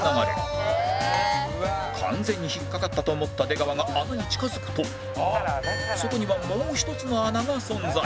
完全に引っ掛かったと思った出川が穴に近付くとそこにはもう１つの穴が存在